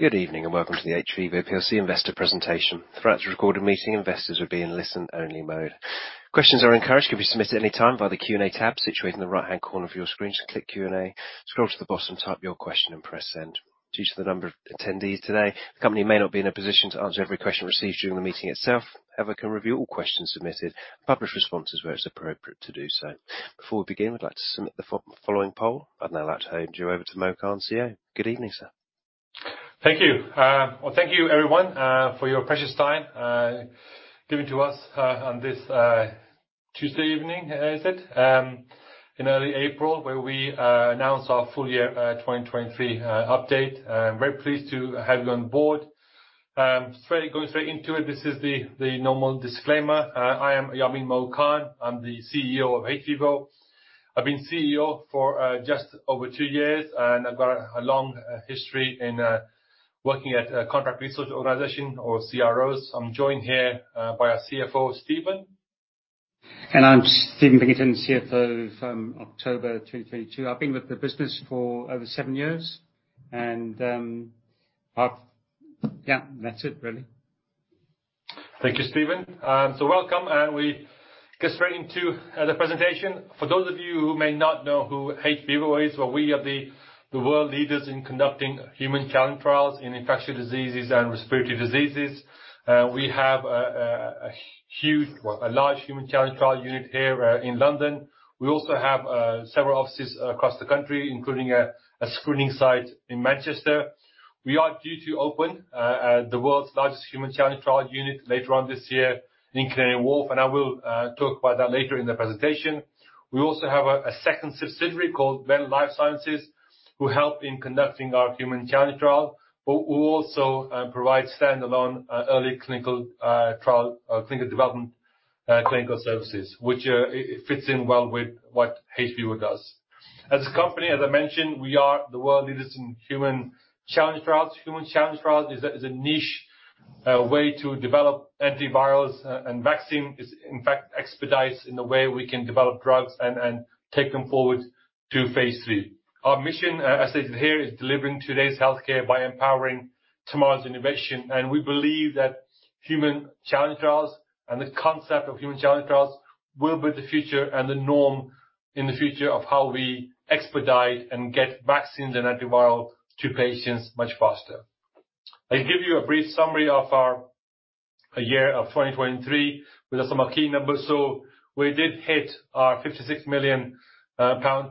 Good evening and welcome to the hVIVO plc investor presentation. Throughout this recorded meeting, investors will be in listen-only mode. Questions are encouraged. They can be submitted at any time via the Q&A tab situated in the right-hand corner of your screen. Just click Q&A, scroll to the bottom, type your question, and press send. Due to the number of attendees today, the company may not be in a position to answer every question received during the meeting itself. However, it can review all questions submitted and publish responses where it's appropriate to do so. Before we begin, we'd like to submit the following poll. I'd now like to hand you over to Mo Khan, CEO. Good evening, sir. Thank you. Well, thank you, everyone, for your precious time given to us on this Tuesday evening, is it, in early April, where we announced our full year 2023 update. I'm very pleased to have you on board. Going straight into it, this is the normal disclaimer. I am Yamin 'Mo' Khan. I'm the CEO of hVIVO. I've been CEO for just over two years, and I've got a long history in working at a contract research organization, or CROs. I'm joined here by our CFO, Stephen. I'm Stephen Pinkerton, CFO from October 2022. I've been with the business for over seven years, and yeah, that's it, really. Thank you, Stephen. Welcome, and we get straight into the presentation. For those of you who may not know who hVIVO is, we are the world leaders in conducting human challenge trials in infectious diseases and respiratory diseases. We have a huge, a large human challenge trial unit here in London. We also have several offices across the country, including a screening site in Manchester. We are due to open the world's largest human challenge trial unit later on this year in Canary Wharf, and I will talk about that later in the presentation. We also have a second subsidiary called Venn Life Sciences, who help in conducting our human challenge trial, but who also provide standalone early clinical trial or clinical development clinical services, which fits in well with what hVIVO does. As a company, as I mentioned, we are the world leaders in human challenge trials. Human challenge trials is a niche way to develop antivirals and vaccines. In fact, expedite in the way we can develop drugs and take them forward Phase III. our mission, as stated here, is delivering today's healthcare by empowering tomorrow's innovation. We believe that human challenge trials and the concept of human challenge trials will be the future and the norm in the future of how we expedite and get vaccines and antiviral to patients much faster. I can give you a brief summary of our year of 2023 with some key numbers. We did hit our 56 million pound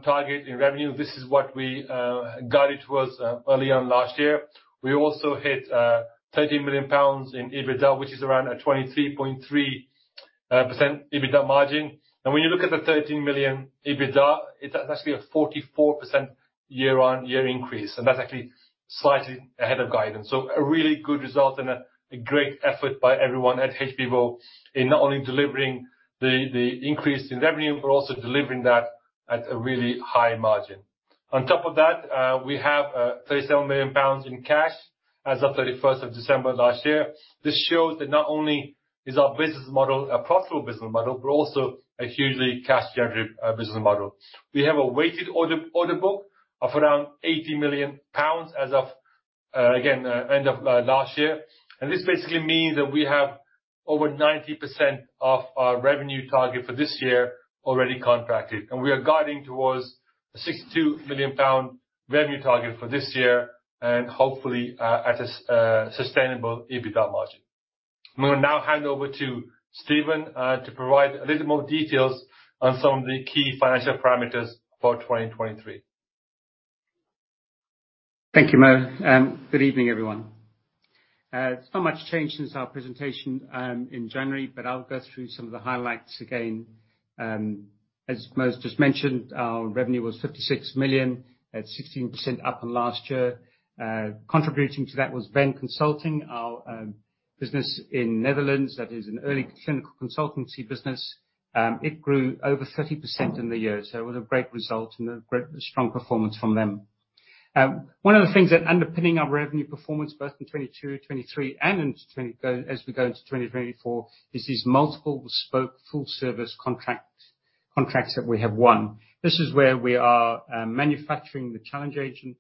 target in revenue. This is what we guided towards early on last year. We also hit 13 million pounds in EBITDA, which is around a 23.3% EBITDA margin. When you look at the 13 million EBITDA, it's actually a 44% year-on-year increase. That's actually slightly ahead of guidance. A really good result and a great effort by everyone at hVIVO in not only delivering the increase in revenue but also delivering that at a really high margin. On top of that, we have 37 million pounds in cash as of 31st of December last year. This shows that not only is our business model a profitable business model but also a hugely cash-generative business model. We have a weighted order book of around 80 million pounds as of, again, end of last year. This basically means that we have over 90% of our revenue target for this year already contracted. We are guiding towards a 62 million pound revenue target for this year and hopefully at a sustainable EBITDA margin. I'm going to now hand over to Stephen to provide a little more details on some of the key financial parameters for 2023. Thank you, Mo. Good evening, everyone. There's not much changed since our presentation in January, but I'll go through some of the highlights again. As Mo's just mentioned, our revenue was 56 million, at 16% up on last year. Contributing to that was Venn Consulting, our business in the Netherlands. That is an early clinical consultancy business. It grew over 30% in the year. So it was a great result and a strong performance from them. One of the things that's underpinning our revenue performance both in 2022, 2023, and as we go into 2024 is these multiple bespoke full-service contracts that we have won. This is where we are manufacturing the challenge agent,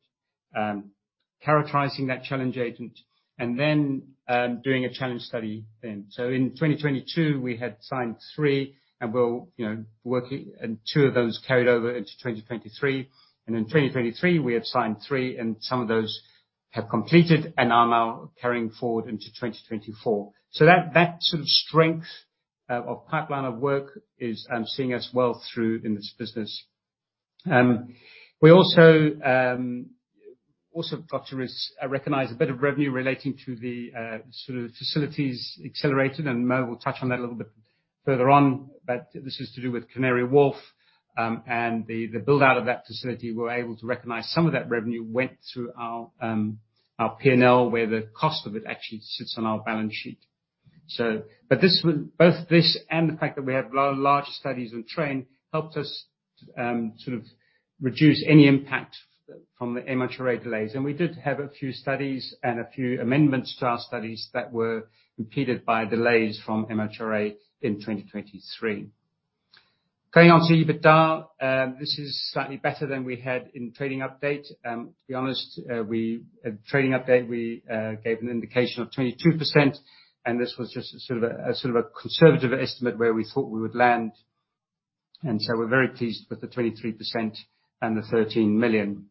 characterizing that challenge agent, and then doing a challenge study then. So in 2022, we had signed three, and we'll work and two of those carried over into 2023. In 2023, we have signed 3, and some of those have completed and are now carrying forward into 2024. That sort of strength of pipeline of work is seeing us well through in this business. We also got to recognize a bit of revenue relating to the sort of facilities accelerated, and Mo will touch on that a little bit further on. This is to do with Canary Wharf and the build-out of that facility. We were able to recognize some of that revenue went through our P&L, where the cost of it actually sits on our balance sheet. Both this and the fact that we have larger studies in train helped us sort of reduce any impact from the MHRA delays. We did have a few studies and a few amendments to our studies that were impeded by delays from MHRA in 2023. Going on to EBITDA, this is slightly better than we had in trading update. To be honest, at trading update, we gave an indication of 22%, and this was just sort of a conservative estimate where we thought we would land. So we're very pleased with the 23% and the 13 million.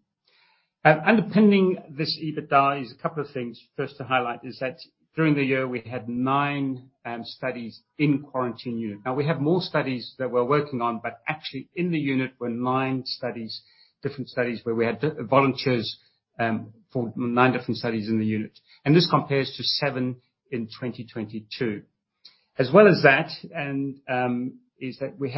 Underpinning this EBITDA is a couple of things. First to highlight is that during the year, we had 9 studies in quarantine units. Now, we have more studies that we're working on, but actually in the unit were 9 studies, different studies where we had volunteers for 9 different studies in the unit. This compares to 7 in 2022. As well as that is that we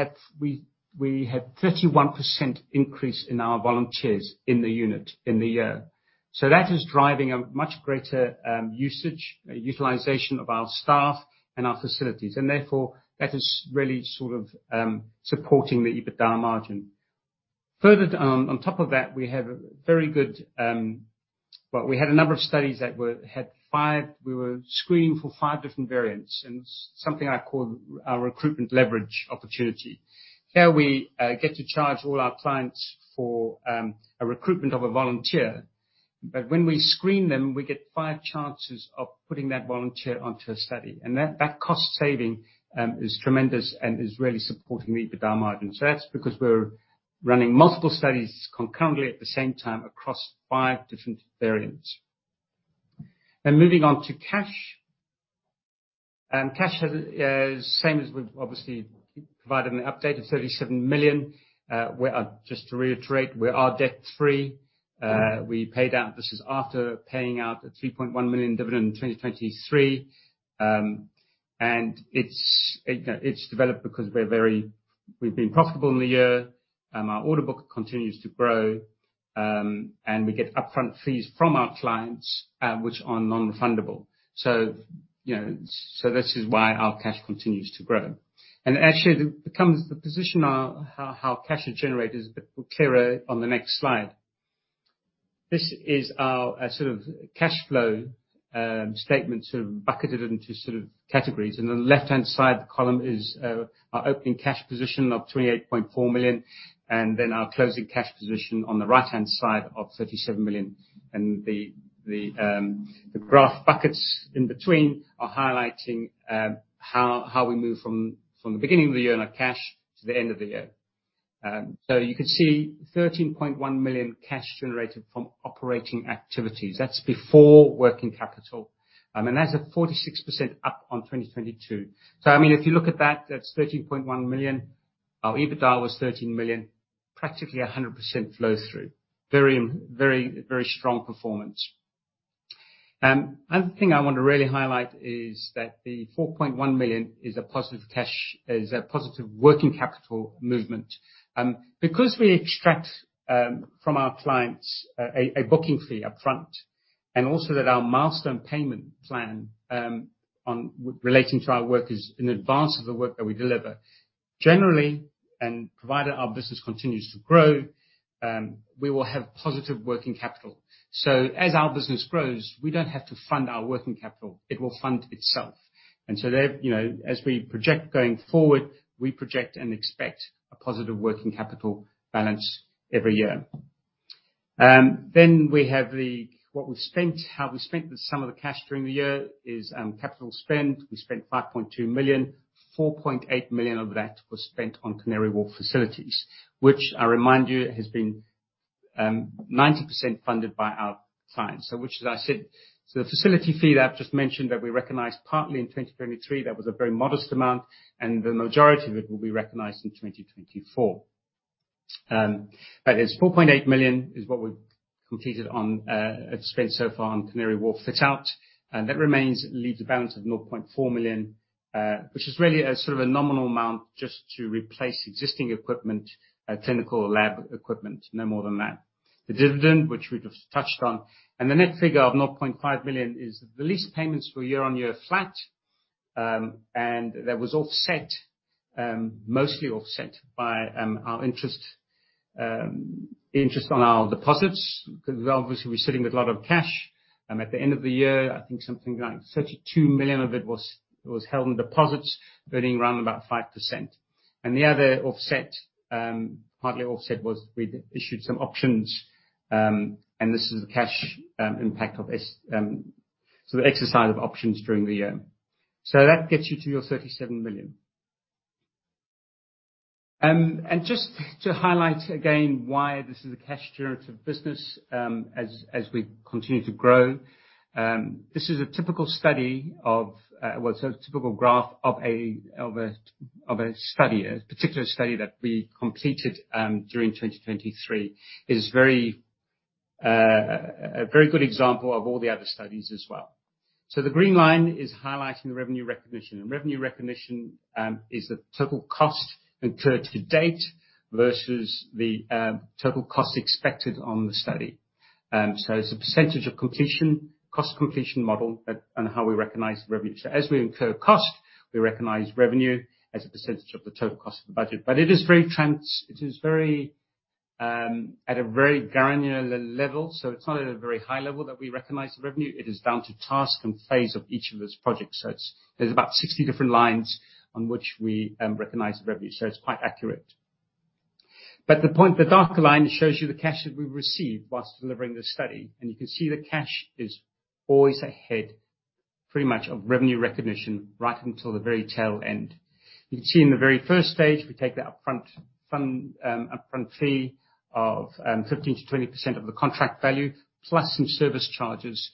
had 31% increase in our volunteers in the unit in the year. So that is driving a much greater usage, utilization of our staff and our facilities. Therefore, that is really sort of supporting the EBITDA margin. Further on top of that, we have a very good well, we had a number of studies that had 5 we were screening for 5 different variants, and it's something I call our recruitment leverage opportunity. Here, we get to charge all our clients for a recruitment of a volunteer. But when we screen them, we get 5 chances of putting that volunteer onto a study. And that cost saving is tremendous and is really supporting the EBITDA margin. So that's because we're running multiple studies concurrently at the same time across 5 different variants. Moving on to cash. Cash, same as we've obviously provided in the update of 37 million. Just to reiterate, we are debt-free. We paid out this is after paying out a 3.1 million dividend in 2023. It's developed because we've been profitable in the year. Our order book continues to grow. We get upfront fees from our clients, which are non-refundable. So this is why our cash continues to grow. Actually, the position on how cash is generated is a bit clearer on the next slide. This is our sort of cash flow statement, sort of bucketed into sort of categories. On the left-hand side, the column is our opening cash position of 28.4 million, and then our closing cash position on the right-hand side of 37 million. The graph buckets in between are highlighting how we move from the beginning of the year in our cash to the end of the year. So you can see 13.1 million cash generated from operating activities. That's before working capital. That's a 46% up on 2022. So, I mean, if you look at that, that's 13.1 million. Our EBITDA was 13 million, practically 100% flow-through, very, very strong performance. Another thing I want to really highlight is that the 4.1 million is a positive working capital movement. Because we extract from our clients a booking fee upfront and also that our milestone payment plan relating to our work is in advance of the work that we deliver, generally, and provided our business continues to grow, we will have positive working capital. So as our business grows, we don't have to fund our working capital. It will fund itself. And so as we project going forward, we project and expect a positive working capital balance every year. Then we have what we've spent. How we spent some of the cash during the year is capital spend. We spent 5.2 million. 4.8 million of that was spent on Canary Wharf facilities, which, I remind you, has been 90% funded by our clients. So, which, as I said, so the facility fee that I've just mentioned that we recognize partly in 2023, that was a very modest amount. And the majority of it will be recognized in 2024. But it's 4.8 million is what we've completed on have spent so far on Canary Wharf fit-out. And that remains leaves a balance of 0.4 million, which is really sort of a nominal amount just to replace existing equipment, clinical or lab equipment, no more than that. The dividend, which we've just touched on, and the net figure of 0.5 million is the lease payments were year-on-year flat. And that was offset, mostly offset by our interest on our deposits. Obviously, we're sitting with a lot of cash. At the end of the year, I think something like 32 million of it was held in deposits, earning around about 5%. The other offset, partly offset, was we issued some options. This is the cash impact of so the exercise of options during the year. So that gets you to your 37 million. Just to highlight again why this is a cash-generative business as we continue to grow, this is a typical study of well, so a typical graph of a study, a particular study that we completed during 2023 is a very good example of all the other studies as well. So the green line is highlighting the revenue recognition. Revenue recognition is the total cost incurred to date versus the total cost expected on the study. So it's a percentage of completion, cost completion model on how we recognize revenue. So as we incur cost, we recognize revenue as a percentage of the total cost of the budget. But it is very at a very granular level. So it's not at a very high level that we recognize the revenue. It is down to task and phase of each of those projects. So there's about 60 different lines on which we recognize the revenue. So it's quite accurate. But the darker line shows you the cash that we've received whilst delivering this study. And you can see the cash is always ahead pretty much of revenue recognition right until the very tail end. You can see in the very first stage, we take that upfront fee of 15%-20% of the contract value plus some service charges,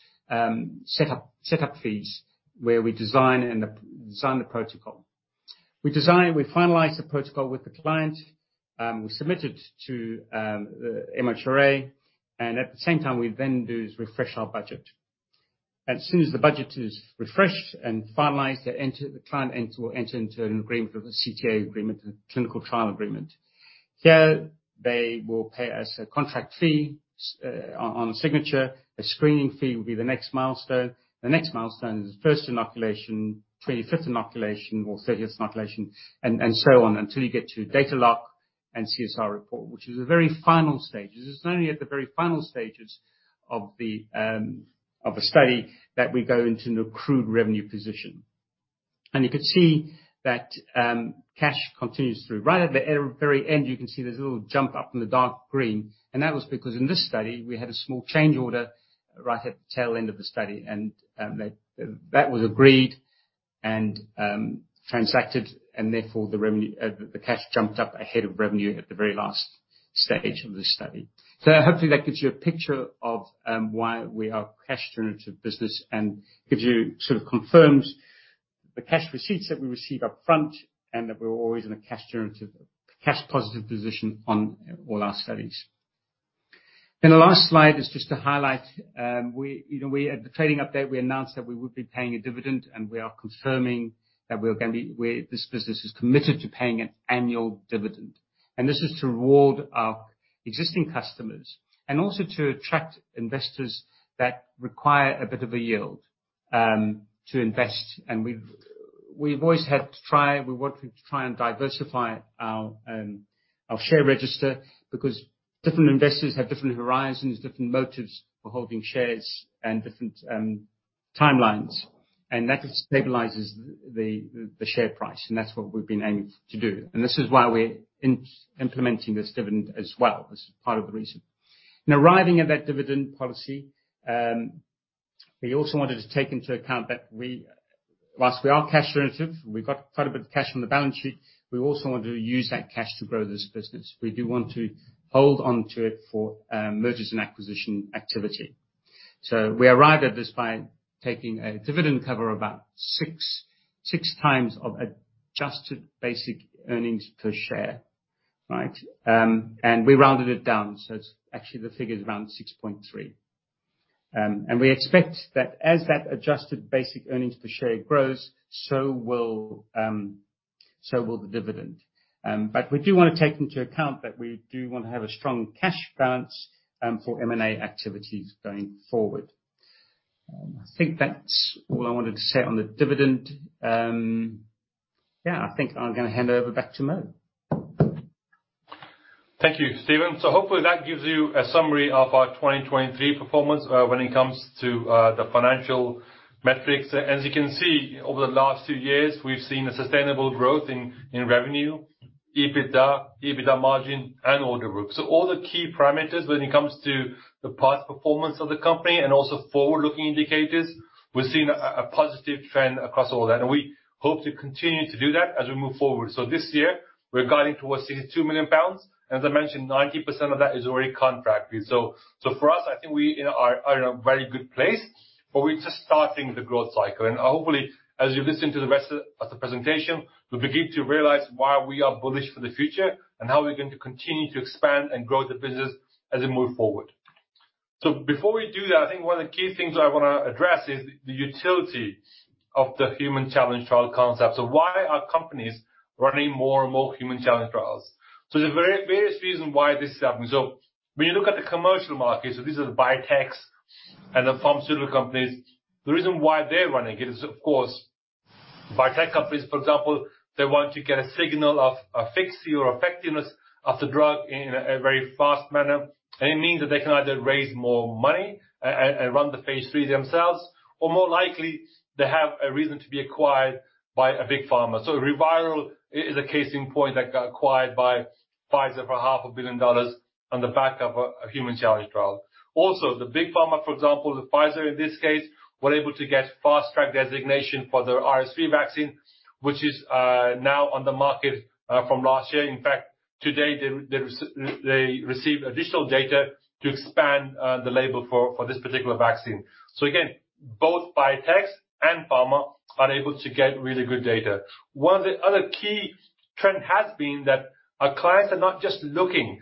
setup fees, where we design the protocol. We finalize the protocol with the client. We submit it to the MHRA. At the same time, we then refresh our budget. As soon as the budget is refreshed and finalized, the client will enter into an agreement, a CTA agreement, a clinical trial agreement. Here, they will pay us a contract fee on signature. A screening fee will be the next milestone. The next milestone is the first inoculation, 25th inoculation, or 30th inoculation, and so on until you get to data lock and CSR report, which is the very final stages. It's only at the very final stages of a study that we go into an accrued revenue position. And you can see that cash continues through. Right at the very end, you can see there's a little jump up in the dark green. And that was because in this study, we had a small change order right at the tail end of the study. That was agreed and transacted. Therefore, the cash jumped up ahead of revenue at the very last stage of this study. Hopefully, that gives you a picture of why we are a cash-generative business and gives you sort of confirms the cash receipts that we receive upfront and that we're always in a cash-positive position on all our studies. The last slide is just to highlight at the trading update, we announced that we would be paying a dividend. We are confirming that we're going to be this business is committed to paying an annual dividend. This is to reward our existing customers and also to attract investors that require a bit of a yield to invest. We've always had to try. We're wanting to try and diversify our share register because different investors have different horizons, different motives for holding shares, and different timelines. That just stabilizes the share price. That's what we've been aiming to do. This is why we're implementing this dividend as well. This is part of the reason. In arriving at that dividend policy, we also wanted to take into account that while we are cash-generative, we've got quite a bit of cash on the balance sheet, we also want to use that cash to grow this business. We do want to hold onto it for mergers and acquisition activity. So we arrived at this by taking a dividend cover about six times of adjusted basic earnings per share, right? We rounded it down. So it's actually the figure is around 6.3. We expect that as that adjusted basic earnings per share grows, so will the dividend. But we do want to take into account that we do want to have a strong cash balance for M&A activities going forward. I think that's all I wanted to say on the dividend. Yeah, I think I'm going to hand over back to Mo. Thank you, Stephen. So hopefully, that gives you a summary of our 2023 performance when it comes to the financial metrics. As you can see, over the last few years, we've seen a sustainable growth in revenue, EBITDA, EBITDA margin, and order book. So all the key parameters when it comes to the past performance of the company and also forward-looking indicators, we've seen a positive trend across all that. And we hope to continue to do that as we move forward. So this year, we're guiding towards 62 million pounds. And as I mentioned, 90% of that is already contract. So for us, I think we are in a very good place. But we're just starting the growth cycle. Hopefully, as you listen to the rest of the presentation, you'll begin to realize why we are bullish for the future and how we're going to continue to expand and grow the business as we move forward. Before we do that, I think one of the key things I want to address is the utility of the human challenge trial concept. Why are companies running more and more human challenge trials? There's various reasons why this is happening. When you look at the commercial market, these are the biotechs and the pharmaceutical companies, the reason why they're running it is, of course, biotech companies, for example, they want to get a signal of efficacy or effectiveness of the drug in a very fast manner. It means that they can either raise more money and run Phase III themselves or, more likely, they have a reason to be acquired by a big pharma. ReViral is a case in point that got acquired by Pfizer for $500 million on the back of a human challenge trial. Also, the big pharma, for example, Pfizer in this case, were able to get fast-track designation for their RSV vaccine, which is now on the market from last year. In fact, today, they received additional data to expand the label for this particular vaccine. Again, both biotechs and pharma are able to get really good data. One of the other key trends has been that our clients are not just looking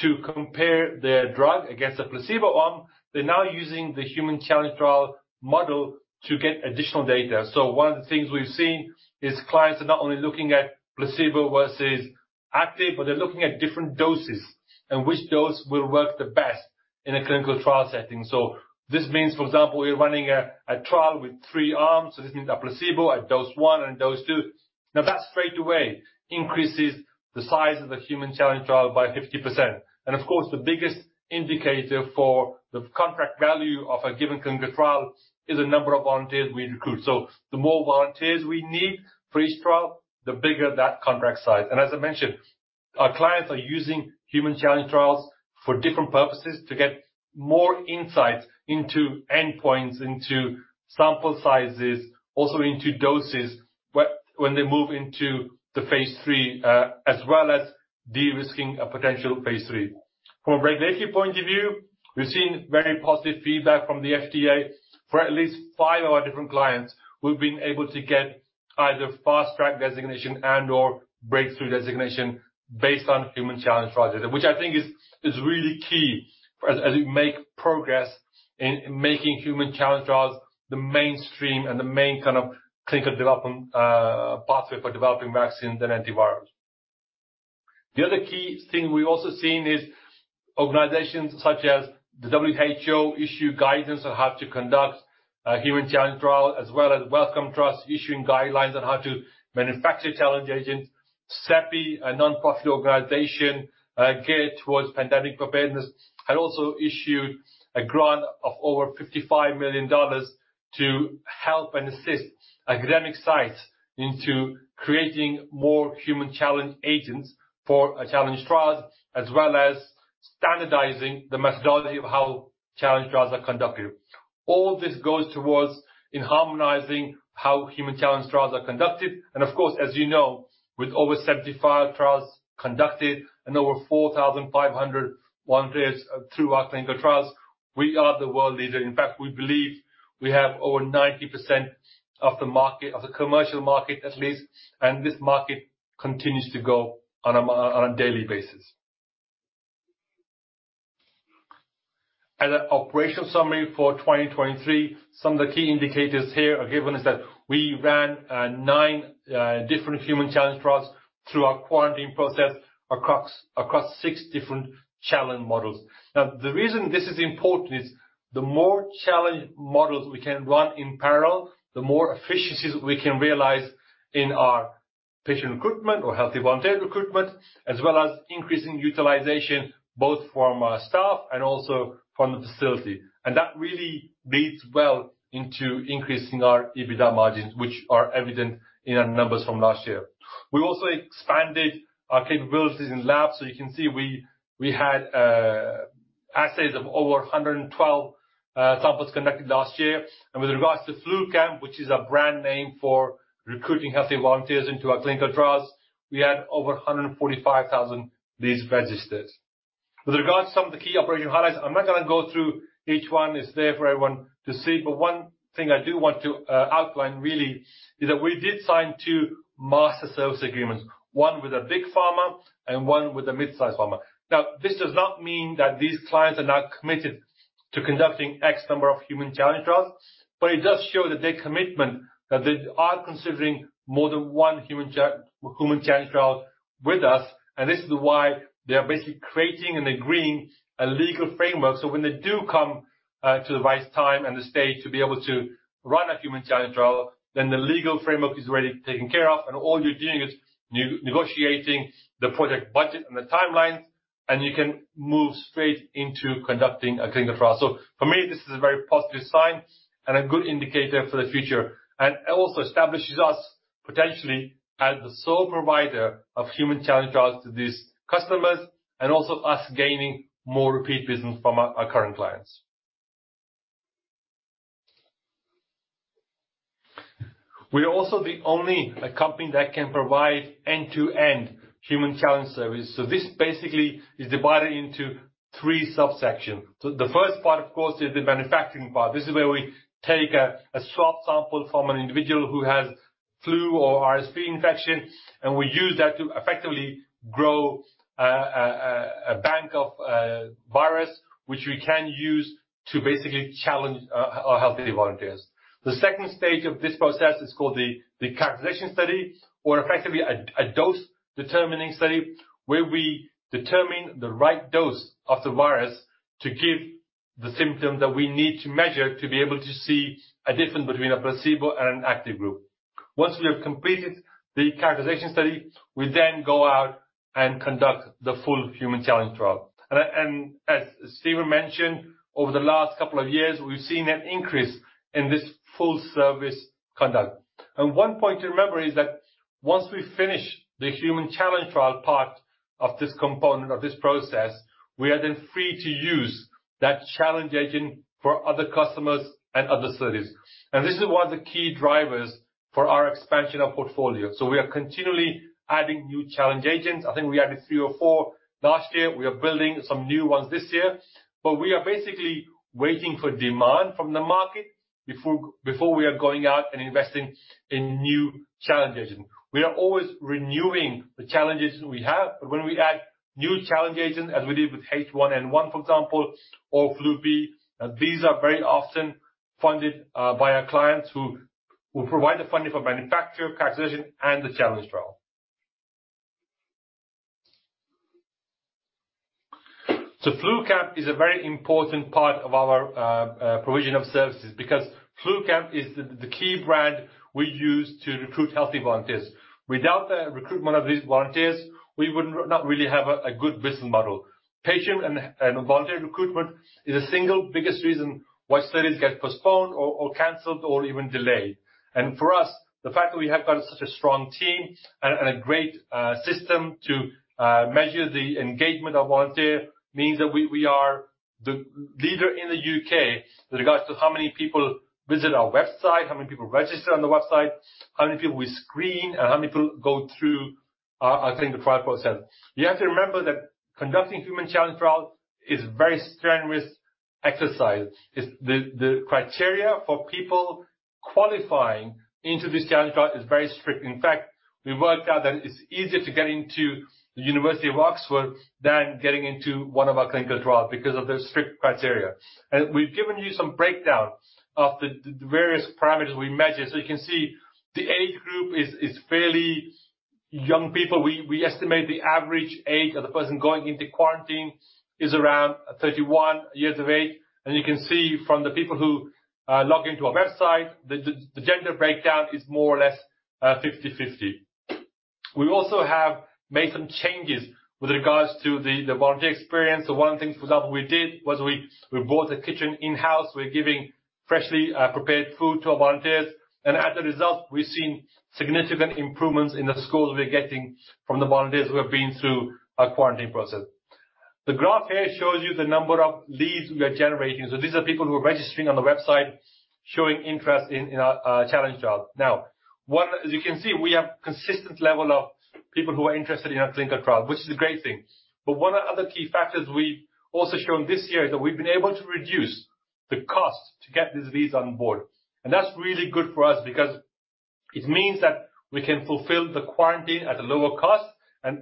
to compare their drug against a placebo arm. They're now using the human challenge trial model to get additional data. One of the things we've seen is clients are not only looking at placebo versus active, but they're looking at different doses and which dose will work the best in a clinical trial setting. This means, for example, we're running a trial with 3 arms: a placebo, dose one, and dose two. Now, that straightaway increases the size of the human challenge trial by 50%. And of course, the biggest indicator for the contract value of a given clinical trial is the number of volunteers we recruit. So the more volunteers we need for each trial, the bigger that contract size. And as I mentioned, our clients are using human challenge trials for different purposes to get more insights into endpoints, into sample sizes, also into doses when they move Phase III, as well as de-risking a potential Phase III. From a regulatory point of view, we've seen very positive feedback from the FDA. For at least five of our different clients, we've been able to get either fast-track designation and/or breakthrough designation based on human challenge trial data, which I think is really key as we make progress in making human challenge trials the mainstream and the main kind of clinical development pathway for developing vaccines and antivirals. The other key thing we've also seen is organizations such as the WHO issue guidance on how to conduct human challenge trials, as well as Wellcome Trust issuing guidelines on how to manufacture challenge agents. CEPI, a nonprofit organization, geared towards pandemic preparedness, had also issued a grant of over $55 million to help and assist academic sites into creating more human challenge agents for challenge trials, as well as standardizing the methodology of how challenge trials are conducted. All this goes toward harmonizing how human challenge trials are conducted. Of course, as you know, with over 75 trials conducted and over 4,500 volunteers through our clinical trials, we are the world leader. In fact, we believe we have over 90% of the commercial market, at least. This market continues to go on a daily basis. As an operational summary for 2023, some of the key indicators here are given is that we ran 9 different human challenge trials through our quarantine process across 6 different challenge models. Now, the reason this is important is the more challenge models we can run in parallel, the more efficiencies we can realize in our patient recruitment or healthy volunteer recruitment, as well as increasing utilization both from staff and also from the facility. And that really bleeds well into increasing our EBITDA margins, which are evident in our numbers from last year. We also expanded our capabilities in lab. So you can see we had assays of over 112 samples conducted last year. And with regards to FluCamp, which is a brand name for recruiting healthy volunteers into our clinical trials, we had over 145,000 leads registered. With regards to some of the key operational highlights, I'm not going to go through each one. It's there for everyone to see. But one thing I do want to outline really is that we did sign two master service agreements, one with a big pharma and one with a mid-sized pharma. Now, this does not mean that these clients are now committed to conducting X number of human challenge trials. It does show the depth of commitment that they are considering more than one human challenge trial with us. This is why they are basically creating and agreeing a legal framework. When they do come to the right time and the stage to be able to run a human challenge trial, then the legal framework is already taken care of. All you're doing is negotiating the project budget and the timelines. You can move straight into conducting a clinical trial. For me, this is a very positive sign and a good indicator for the future. It also establishes us potentially as the sole provider of human challenge trials to these customers and also us gaining more repeat business from our current clients. We are also the only company that can provide end-to-end human challenge service. This basically is divided into three subsections. The first part, of course, is the manufacturing part. This is where we take a swab sample from an individual who has flu or RSV infection. We use that to effectively grow a bank of virus, which we can use to basically challenge our healthy volunteers. The second stage of this process is called the characterization study or effectively a dose-determining study, where we determine the right dose of the virus to give the symptoms that we need to measure to be able to see a difference between a placebo and an active group. Once we have completed the characterization study, we then go out and conduct the full human challenge trial. As Stephen mentioned, over the last couple of years, we've seen an increase in this full-service conduct. One point to remember is that once we finish the human challenge trial part of this component of this process, we are then free to use that challenge agent for other customers and other studies. This is one of the key drivers for our expansion of portfolio. We are continually adding new challenge agents. I think we added three or four last year. We are building some new ones this year. We are basically waiting for demand from the market before we are going out and investing in new challenge agents. We are always renewing the challenges we have. When we add new challenge agents, as we did with H1N1, for example, or FluB, these are very often funded by our clients who will provide the funding for manufacture, characterization, and the challenge trial. FluCamp is a very important part of our provision of services because FluCamp is the key brand we use to recruit healthy volunteers. Without the recruitment of these volunteers, we would not really have a good business model. Patient and volunteer recruitment is the single biggest reason why studies get postponed or canceled or even delayed. For us, the fact that we have got such a strong team and a great system to measure the engagement of volunteers means that we are the leader in the UK with regards to how many people visit our website, how many people register on the website, how many people we screen, and how many people go through our clinical trial process. You have to remember that conducting human challenge trials is a very strenuous exercise. The criteria for people qualifying into this challenge trial is very strict. In fact, we worked out that it's easier to get into the University of Oxford than getting into one of our clinical trials because of those strict criteria. We've given you some breakdown of the various parameters we measure. You can see the age group is fairly young people. We estimate the average age of the person going into quarantine is around 31 years of age. You can see from the people who log into our website, the gender breakdown is more or less 50/50. We also have made some changes with regards to the volunteer experience. One thing, for example, we did was we bought a kitchen in-house. We're giving freshly prepared food to our volunteers. As a result, we've seen significant improvements in the scores we're getting from the volunteers who have been through our quarantine process. The graph here shows you the number of leads we are generating. So these are people who are registering on the website showing interest in our challenge trial. Now, as you can see, we have a consistent level of people who are interested in our clinical trial, which is a great thing. But one of the other key factors we've also shown this year is that we've been able to reduce the cost to get these leads on board. And that's really good for us because it means that we can fulfill the quarantine at a lower cost. And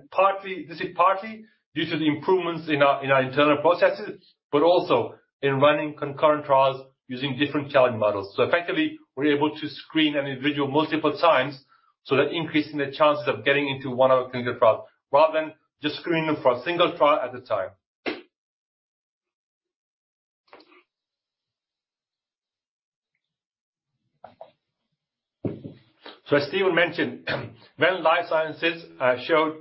this is partly due to the improvements in our internal processes, but also in running concurrent trials using different challenge models. So effectively, we're able to screen an individual multiple times so that increases the chances of getting into one of our clinical trials rather than just screening them for a single trial at a time. So as Stephen mentioned, Venn Life Sciences showed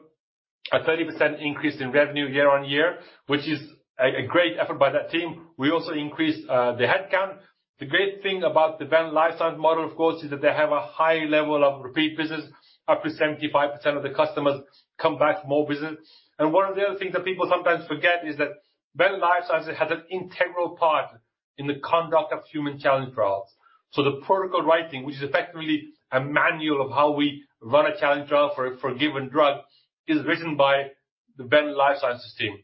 a 30% increase in revenue year-over-year, which is a great effort by that team. We also increased the headcount. The great thing about the Venn Life Sciences model, of course, is that they have a high level of repeat business. Up to 75% of the customers come back for more business. And one of the other things that people sometimes forget is that Venn Life Sciences has an integral part in the conduct of human challenge trials. So the protocol writing, which is effectively a manual of how we run a challenge trial for a given drug, is written by the Venn Life Sciences team.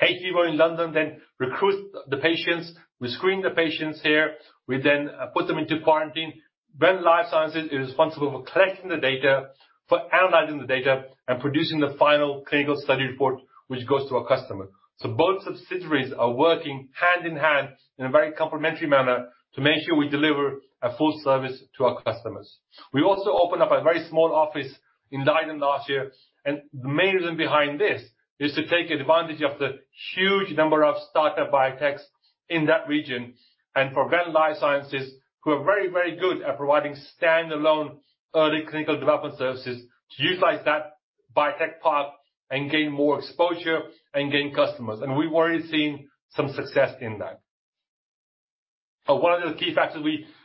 hVIVO in London then recruits the patients. We screen the patients here. We then put them into quarantine. Venn Life Sciences is responsible for collecting the data, for analyzing the data, and producing the final clinical study report, which goes to our customer. So both subsidiaries are working hand in hand in a very complementary manner to make sure we deliver a full service to our customers. We also opened up a very small office in Leiden last year. The main reason behind this is to take advantage of the huge number of startup biotechs in that region and for Venn Life Sciences, who are very, very good at providing standalone early clinical development services, to utilize that biotech part and gain more exposure and gain customers. We've already seen some success in that. One of the key factors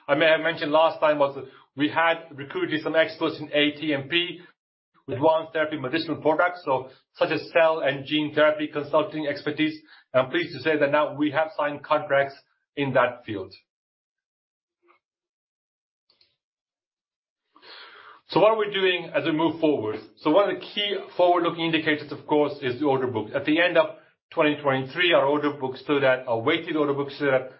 I may have mentioned last time was we had recruited some experts in ATMP, advanced therapy medicinal products, such as cell and gene therapy consulting expertise. I'm pleased to say that now we have signed contracts in that field. What are we doing as we move forward? One of the key forward-looking indicators, of course, is the order book. At the end of 2023, our order book stood at a weighted order book stood at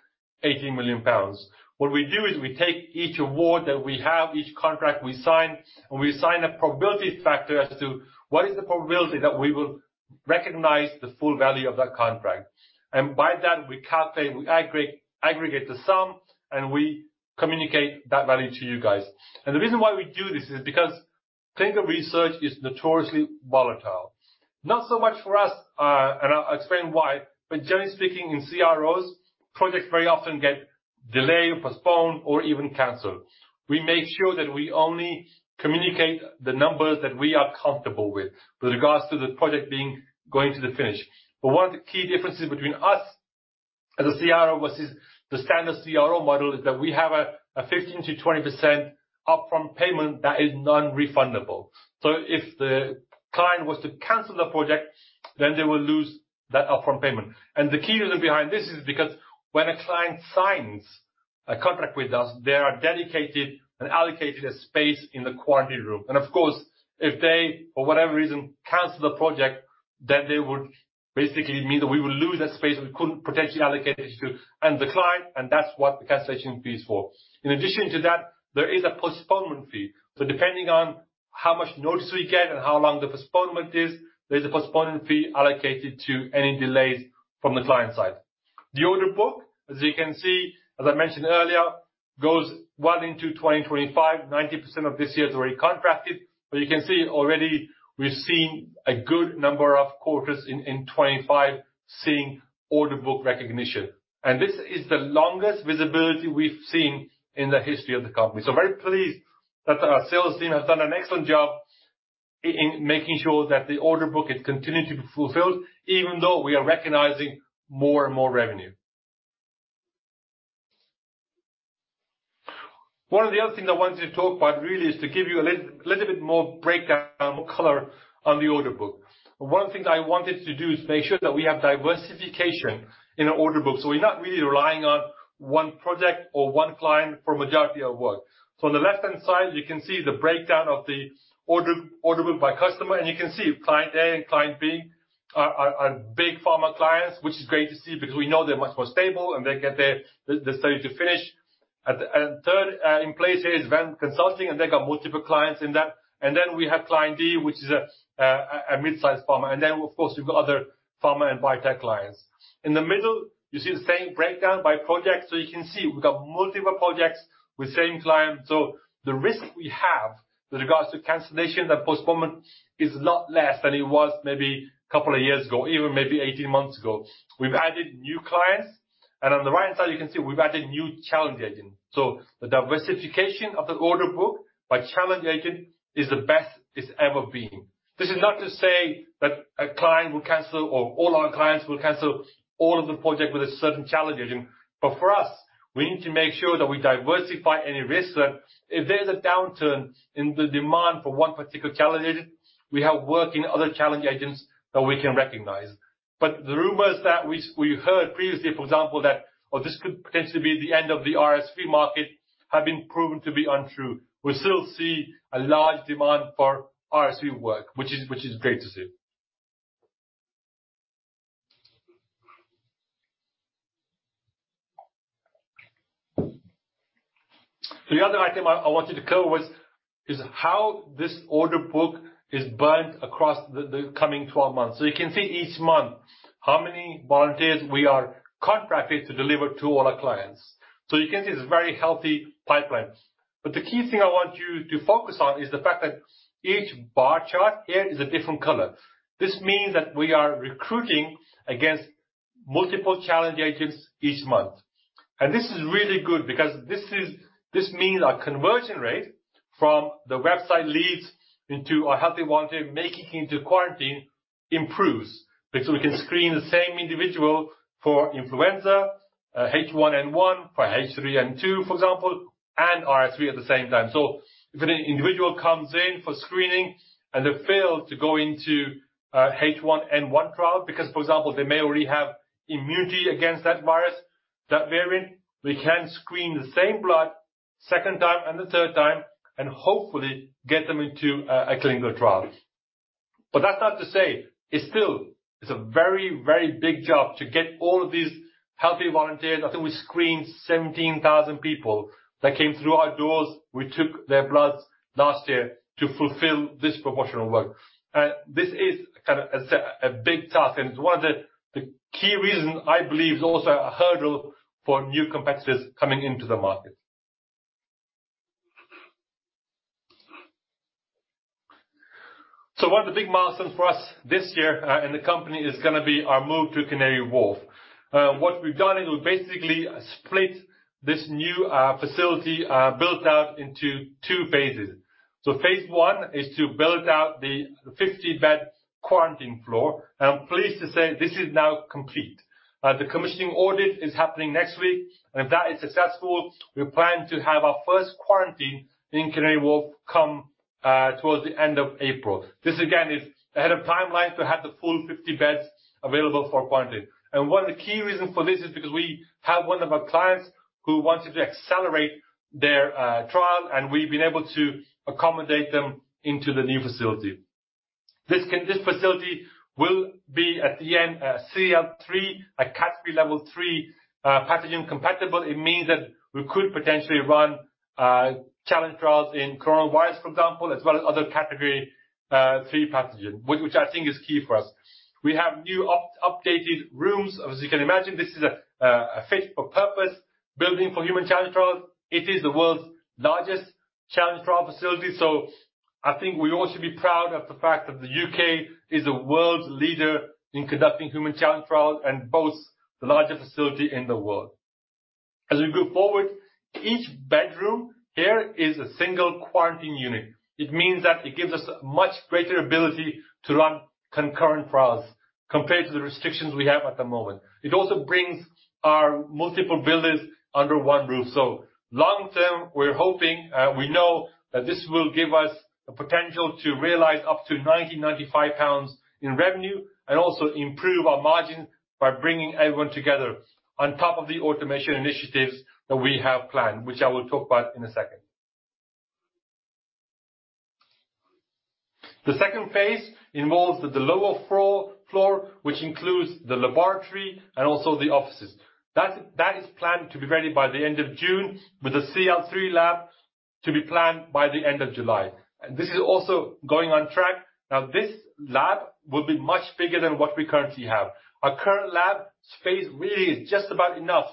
18 million pounds. What we do is we take each award that we have, each contract we sign, and we assign a probability factor as to what is the probability that we will recognise the full value of that contract. By that, we calculate, we aggregate the sum, and we communicate that value to you guys. The reason why we do this is because clinical research is notoriously volatile. Not so much for us, and I'll explain why. Generally speaking, in CROs, projects very often get delayed, postponed, or even canceled. We make sure that we only communicate the numbers that we are comfortable with with regards to the project going to the finish. One of the key differences between us as a CRO versus the standard CRO model is that we have a 15%-20% upfront payment that is non-refundable. So if the client was to cancel the project, then they will lose that upfront payment. The key reason behind this is because when a client signs a contract with us, there are dedicated and allocated a space in the quarantine room. Of course, if they for whatever reason cancel the project, then that would basically mean that we would lose that space. We couldn't potentially allocate it to another client. And that's what the cancellation fee is for. In addition to that, there is a postponement fee. So depending on how much notice we get and how long the postponement is, there's a postponement fee allocated to any delays from the client side. The order book, as you can see, as I mentioned earlier, goes well into 2025. 90% of this year is already contracted. But you can see already we've seen a good number of quarters in 2025 seeing order book recognition. And this is the longest visibility we've seen in the history of the company. So very pleased that our sales team has done an excellent job in making sure that the order book has continued to be fulfilled, even though we are recognizing more and more revenue. One of the other things I wanted to talk about really is to give you a little bit more breakdown, more color on the order book. One of the things I wanted to do is make sure that we have diversification in our order book. So we're not really relying on one project or one client for a majority of work. So on the left-hand side, you can see the breakdown of the order book by customer. And you can see client A and client B are big pharma clients, which is great to see because we know they're much more stable and they get their study to finish. And third in place here is Venn Consulting. They've got multiple clients in that. Then we have client D, which is a mid-sized pharma. Of course, we've got other pharma and biotech clients. In the middle, you see the same breakdown by project. So you can see we've got multiple projects with the same client. The risk we have with regards to cancellation and postponement is a lot less than it was maybe a couple of years ago, even maybe 18 months ago. We've added new clients. On the right-hand side, you can see we've added new challenge agents. The diversification of the order book by challenge agent is the best it's ever been. This is not to say that a client will cancel or all our clients will cancel all of the projects with a certain challenge agent. But for us, we need to make sure that we diversify any risks. So if there's a downturn in the demand for one particular challenge agent, we have working other challenge agents that we can recognize. But the rumors that we heard previously, for example, that this could potentially be the end of the RSV market have been proven to be untrue. We still see a large demand for RSV work, which is great to see. So the other item I wanted to cover was how this order book is burned across the coming 12 months. So you can see each month how many volunteers we are contracted to deliver to all our clients. So you can see it's a very healthy pipeline. But the key thing I want you to focus on is the fact that each bar chart here is a different color. This means that we are recruiting against multiple challenge agents each month. This is really good because this means our conversion rate from the website leads into our healthy volunteer making it into quarantine improves because we can screen the same individual for influenza, H1N1, for H3N2, for example, and RSV at the same time. If an individual comes in for screening and they fail to go into H1N1 trial because, for example, they may already have immunity against that virus, that variant, we can screen the same blood second time and the third time and hopefully get them into a clinical trial. That's not to say it's still a very, very big job to get all of these healthy volunteers. I think we screened 17,000 people that came through our doors. We took their bloods last year to fulfill this proportion of work. This is kind of a big task. It's one of the key reasons, I believe, is also a hurdle for new competitors coming into the market. One of the big milestones for us this year in the company is going to be our move to Canary Wharf. What we've done is we've basically split this new facility built out into two phases. Phase I is to build out the 50-bed quarantine floor. I'm pleased to say this is now complete. The commissioning audit is happening next week. If that is successful, we plan to have our first quarantine in Canary Wharf come towards the end of April. This, again, is ahead of timeline to have the full 50 beds available for quarantine. One of the key reasons for this is because we have one of our clients who wanted to accelerate their trial. We've been able to accommodate them into the new facility. This facility will be, at the end, a CL3, a category level 3 pathogen compatible. It means that we could potentially run challenge trials in coronavirus, for example, as well as other category 3 pathogens, which I think is key for us. We have new updated rooms. As you can imagine, this is a fit for purpose building for human challenge trials. It is the world's largest challenge trial facility. I think we all should be proud of the fact that the UK is the world's leader in conducting human challenge trials and boasts the largest facility in the world. As we go forward, each bedroom here is a single quarantine unit. It means that it gives us a much greater ability to run concurrent trials compared to the restrictions we have at the moment. It also brings our multiple builders under one roof. So long term, we're hoping we know that this will give us the potential to realize up to 90-95 pounds in revenue and also improve our margins by bringing everyone together on top of the automation initiatives that we have planned, which I will talk about in a second. The second Phase Involves the lower floor, which includes the laboratory and also the offices. That is planned to be ready by the end of June with the CL3 lab to be planned by the end of July. This is also going on track. Now, this lab will be much bigger than what we currently have. Our current lab space really is just about enough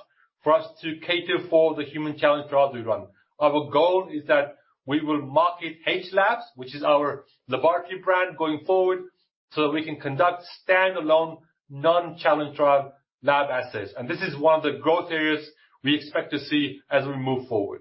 for us to cater for the human challenge trials we run. Our goal is that we will market hLAB, which is our laboratory brand, going forward so that we can conduct standalone non-challenge trial lab assays. This is one of the growth areas we expect to see as we move forward.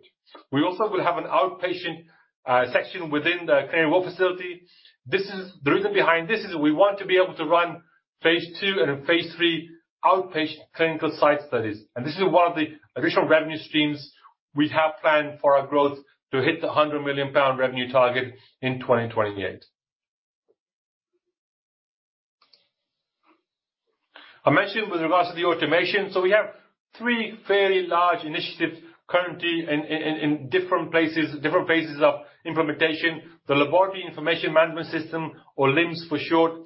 We also will have an outpatient section within the Canary Wharf facility. The reason behind this is we want to be able to Phase II and Phase II outpatient clinical site studies. This is one of the additional revenue streams we have planned for our growth to hit the 100 million pound revenue target in 2028. I mentioned with regards to the automation. We have 3 fairly large initiatives currently in different phases of implementation. The laboratory information management system, or LIMS for short,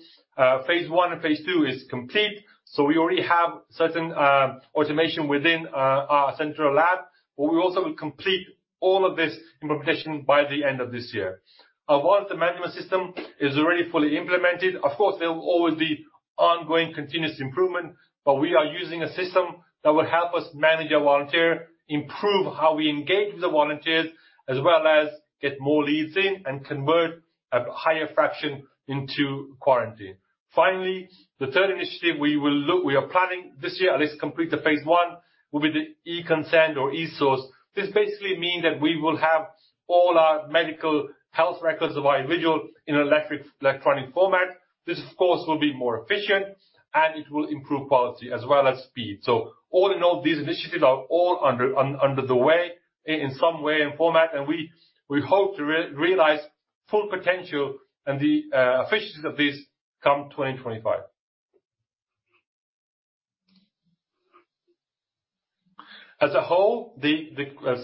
Phase I and Phase II is complete. We already have certain automation within our central lab. We also will complete all of this implementation by the end of this year. While the management system is already fully implemented, of course, there will always be ongoing continuous improvement. We are using a system that will help us manage our volunteer, improve how we engage with the volunteers, as well as get more leads in and convert a higher fraction into quarantine. Finally, the third initiative we are planning this year, at least complete the phase one, will be the eConsent or eSource. This basically means that we will have all our medical health records of our individual in electronic format. This, of course, will be more efficient. It will improve quality as well as speed. All in all, these initiatives are all under the way in some way and format. We hope to realize full potential and the efficiencies of this come 2025. As a whole, the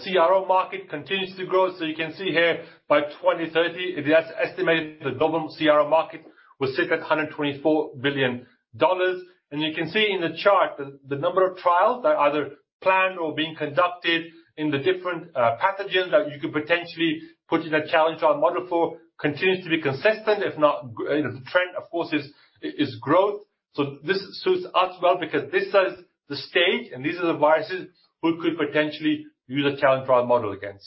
CRO market continues to grow. So you can see here, by 2030, that's estimated the global CRO market will sit at $124 billion. You can see in the chart that the number of trials that are either planned or being conducted in the different pathogens that you could potentially put in a challenge trial model for continues to be consistent. If not, the trend, of course, is growth. So this suits us well because this is the stage. These are the viruses we could potentially use a challenge trial model against.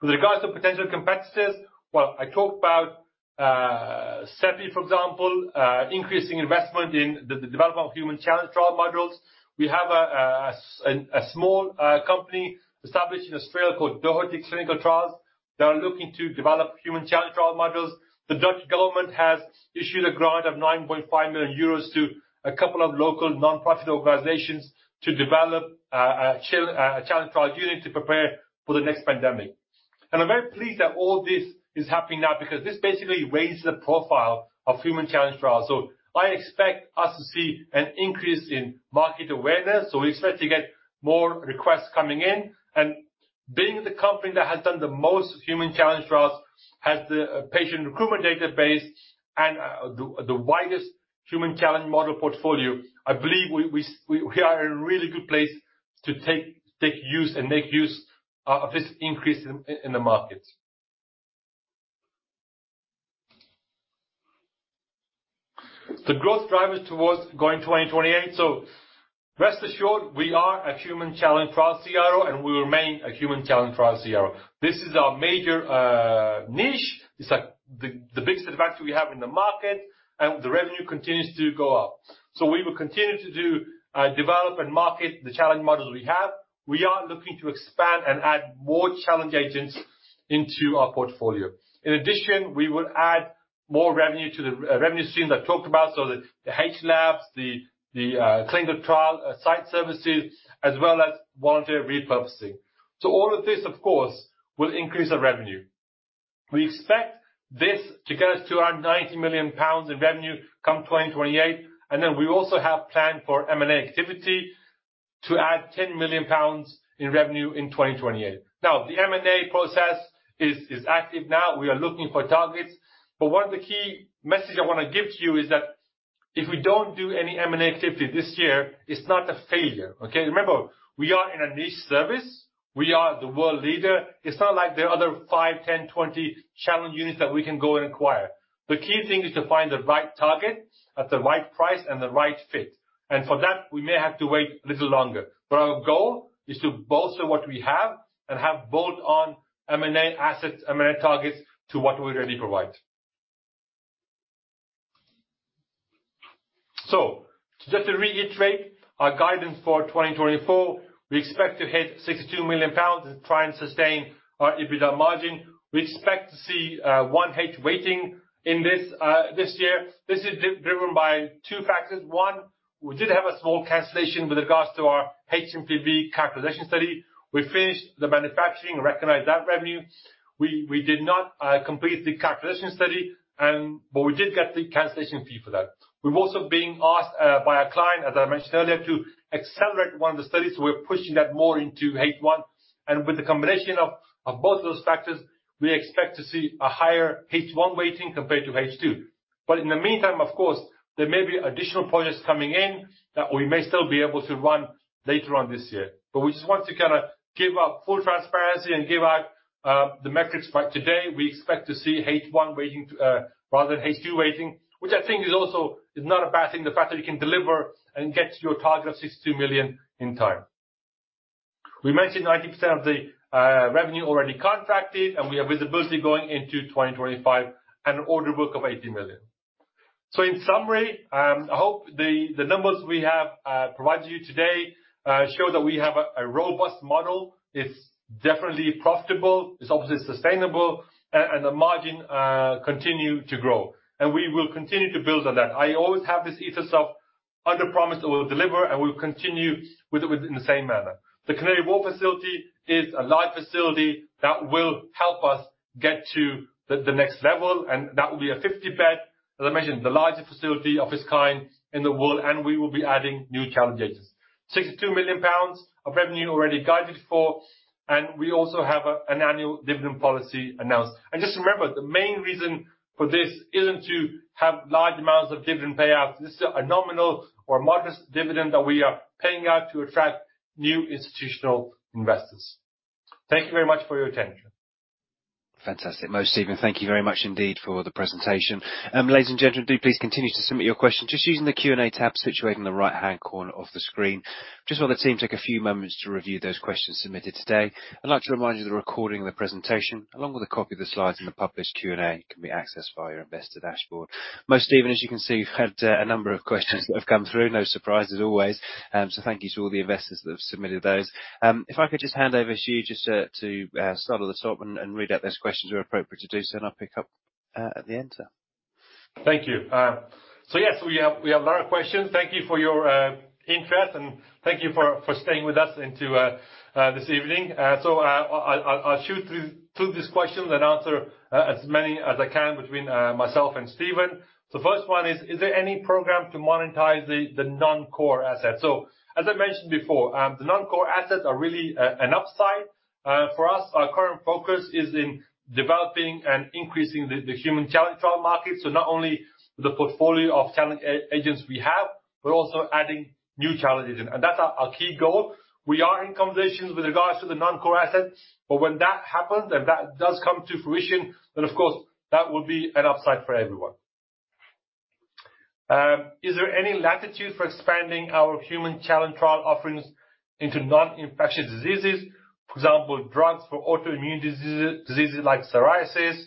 With regards to potential competitors, well, I talked about CEPI, for example, increasing investment in the development of human challenge trial models. We have a small company established in Australia called Doherty Clinical Trials that are looking to develop human challenge trial models. The Dutch government has issued a grant of 9.5 million euros to a couple of local nonprofit organizations to develop a challenge trial unit to prepare for the next pandemic. I'm very pleased that all this is happening now because this basically raises the profile of human challenge trials. I expect us to see an increase in market awareness. We expect to get more requests coming in. Being the company that has done the most human challenge trials, has the patient recruitment database, and the widest human challenge model portfolio, I believe we are in a really good place to take use and make use of this increase in the market. The growth drivers towards going 2028. So rest assured, we are a human challenge trial CRO. And we remain a human challenge trial CRO. This is our major niche. It's the biggest advantage we have in the market. And the revenue continues to go up. So we will continue to develop and market the challenge models we have. We are looking to expand and add more challenge agents into our portfolio. In addition, we will add more revenue to the revenue streams I talked about, so the hLAB, the clinical trial site services, as well as volunteer repurposing. So all of this, of course, will increase our revenue. We expect this to get us 290 million pounds in revenue come 2028. And then we also have planned for M&A activity to add 10 million pounds in revenue in 2028. Now, the M&A process is active now. We are looking for targets. But one of the key messages I want to give to you is that if we don't do any M&A activity this year, it's not a failure. Remember, we are in a niche service. We are the world leader. It's not like there are other five, 10, 20 challenge units that we can go and acquire. The key thing is to find the right target at the right price and the right fit. And for that, we may have to wait a little longer. But our goal is to bolster what we have and have bolt-on M&A assets, M&A targets to what we already provide. So just to reiterate our guidance for 2024, we expect to hit 62 million pounds and try and sustain our EBITDA margin. We expect to see one H waiting in this year. This is driven by two factors. One, we did have a small cancellation with regards to our hMPV characterisation study. We finished the manufacturing and recognize that revenue. We did not complete the characterisation study. But we did get the cancellation fee for that. We've also been asked by our client, as I mentioned earlier, to accelerate one of the studies. So we're pushing that more into H1. And with the combination of both of those factors, we expect to see a higher H1 weighting compared to H2. But in the meantime, of course, there may be additional projects coming in that we may still be able to run later on this year. But we just want to kind of give you full transparency and give out the metrics right today. We expect to see H1 weighting rather than H2 weighting, which I think is also not a bad thing, the fact that you can deliver and get to your target of 62 million in time. We mentioned 90% of the revenue already contracted. And we have visibility going into 2025 and an order book of 80 million. So in summary, I hope the numbers we have provided to you today show that we have a robust model. It's definitely profitable. It's obviously sustainable. And the margin continue to grow. And we will continue to build on that. I always have this ethos of underpromise that we'll deliver. And we'll continue with it in the same manner. The Canary Wharf facility is a large facility that will help us get to the next level. That will be a 50-bed, as I mentioned, the largest facility of its kind in the world. We will be adding new challenge agents, 62 million pounds of revenue already guided for. We also have an annual dividend policy announced. Just remember, the main reason for this isn't to have large amounts of dividend payouts. This is a nominal or modest dividend that we are paying out to attract new institutional investors. Thank you very much for your attention. Fantastic. Mo, Stephen, thank you very much indeed for the presentation. Ladies and gentlemen, do please continue to submit your questions just using the Q&A tab situated in the right-hand corner of the screen. I just want the team to take a few moments to review those questions submitted today. I'd like to remind you the recording of the presentation, along with a copy of the slides and the published Q&A, can be accessed via your investor dashboard. Mo, Stephen, as you can see, you've had a number of questions that have come through, no surprise as always. So thank you to all the investors that have submitted those. If I could just hand over to you just to start at the top and read out those questions, it would be appropriate to do so. And I'll pick up at the end, sir. Thank you. So yes, we have a lot of questions. Thank you for your interest. And thank you for staying with us into this evening. So I'll shoot through these questions and answer as many as I can between myself and Stephen. So first one is, is there any program to monetize the non-core assets? So as I mentioned before, the non-core assets are really an upside. For us, our current focus is in developing and increasing the human challenge trial market. So not only the portfolio of challenge agents we have, but also adding new challenges. And that's our key goal. We are in conversations with regards to the non-core assets. But when that happens and that does come to fruition, then, of course, that will be an upside for everyone. Is there any latitude for expanding our human challenge trial offerings into non-infectious diseases, for example, drugs for autoimmune diseases like psoriasis,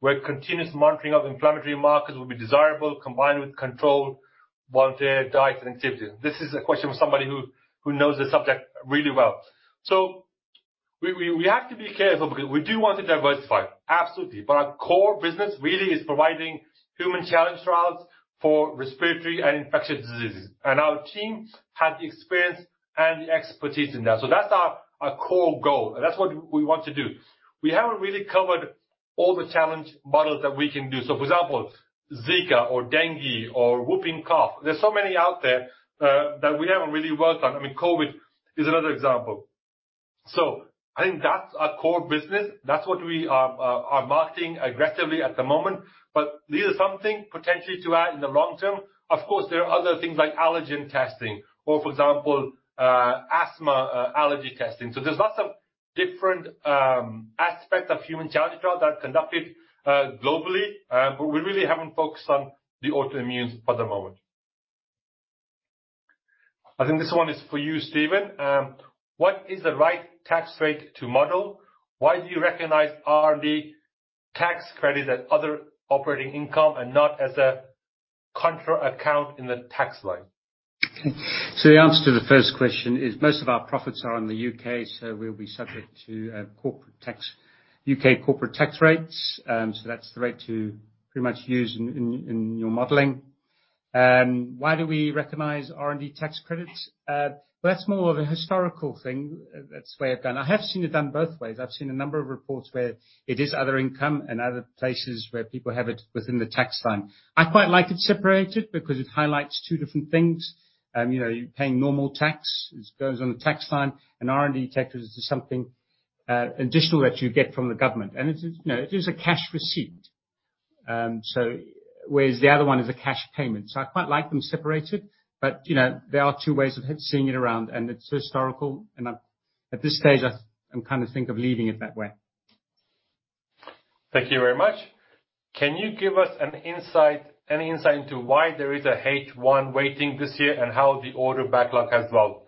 where continuous monitoring of inflammatory markers will be desirable combined with controlled volunteer diets and activities? This is a question for somebody who knows the subject really well. So we have to be careful because we do want to diversify, absolutely. But our core business really is providing human challenge trials for respiratory and infectious diseases. And our team has the experience and the expertise in that. So that's our core goal. And that's what we want to do. We haven't really covered all the challenge models that we can do. So for example, Zika or dengue or whooping cough, there's so many out there that we haven't really worked on. I mean, COVID is another example. So I think that's our core business. That's what we are marketing aggressively at the moment. But these are something potentially to add in the long term. Of course, there are other things like allergen testing or, for example, asthma allergy testing. So there's lots of different aspects of human challenge trials that are conducted globally. But we really haven't focused on the autoimmune for the moment. I think this one is for you, Stephen. What is the right tax rate to model? Why do you recognise R&D tax credit at other operating income and not as a contra account in the tax line? So the answer to the first question is most of our profits are in the U.K. So we'll be subject to U.K. corporate tax rates. So that's the rate to pretty much use in your modelling. Why do we recognise R&D tax credits? Well, that's more of a historical thing. That's the way I've done. I have seen it done both ways. I've seen a number of reports where it is other income and other places where people have it within the tax line. I quite like it separated because it highlights two different things. You're paying normal tax. It goes on the tax line. R&D tax credits is something additional that you get from the government. It is a cash receipt, whereas the other one is a cash payment. So I quite like them separated. But there are two ways of seeing it around. And it's historical. And at this stage, I'm kind of think of leaving it that way. Thank you very much. Can you give us any insight into why there is a H1 weighting this year and how the order backlog has evolved?